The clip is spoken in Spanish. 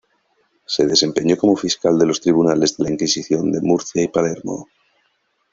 Se desempeñó como fiscal de los Tribunales de la Inquisición de Murcia y Palermo.